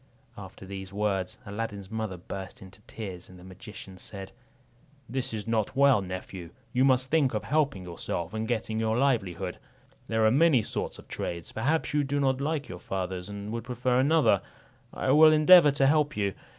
After these words, Aladdin's mother burst into tears; and the magician said, "This is not well, nephew; you must think of helping yourself, and getting your livelihood. There are many sorts of trades; perhaps you do not like your father's, and would prefer another; I will endeavour to help you.